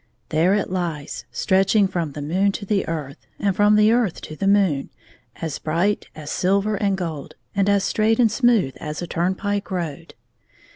There it lies, stretching from the moon to the earth, and from the earth to the moon, as bright as silver and gold, and as straight and smooth as a turnpike road.